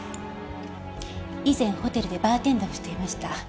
以前ホテルでバーテンダーをしていました。